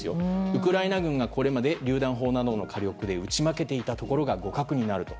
ウクライナ軍がこれまでりゅう弾砲などの火力で撃ち負けていたところが互角になると。